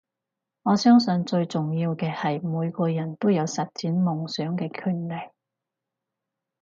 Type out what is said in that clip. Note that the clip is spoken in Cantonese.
我相信最重要嘅係每個人都有實踐夢想嘅權利